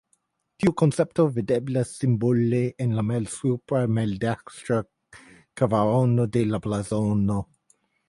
Tiu koncepto videblas simbole en la malsupra maldekstra kvarono de la blazono.